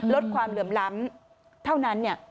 ลดความเหลื่อมล้ำเท่านั้น